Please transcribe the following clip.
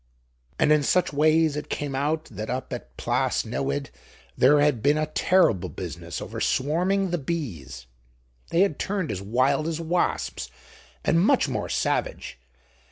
And in such ways it came out that up at Plas Newydd there had been a terrible business over swarming the bees; they had turned as wild as wasps and much more savage.